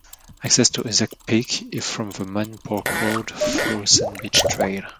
Access to Isaac Peak is from the main Park road through Sand Beach Trail.